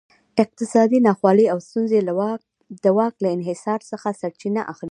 اقتصادي ناخوالې او ستونزې د واک له انحصار څخه سرچینه اخلي.